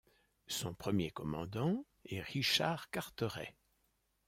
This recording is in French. Son premier commandant est Richard Carteret.